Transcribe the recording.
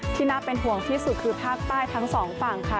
น่าเป็นห่วงที่สุดคือภาคใต้ทั้งสองฝั่งค่ะ